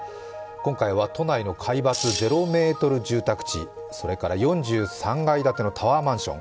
今回は都内の海抜０ｍ住宅地それから４３階建てのタワーマンション。